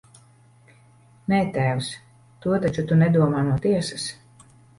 Nē, tēvs, to taču tu nedomā no tiesas!